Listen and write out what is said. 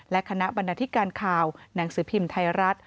และคณะบรรณาธิการข่าวหนังสือพิมพ์ไทยรัฐ